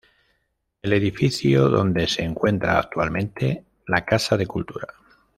El edificio donde se encuentra actualmente la Casa de Cultura.